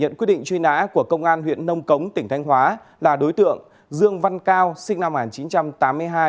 đối tượng của công an huyện nông cống tỉnh thanh hóa là đối tượng dương văn cao sinh năm một nghìn chín trăm tám mươi hai